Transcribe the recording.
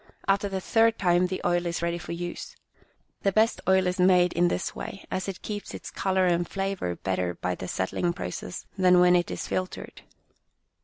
After the third time the oil is ready for use. The best oil is made in this way, as it keeps its colour and flavour better by the settling process than when it is filtered.